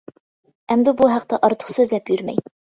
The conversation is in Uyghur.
ئەمدى بۇ ھەقتە ئارتۇق سۆزلەپ يۈرمەي.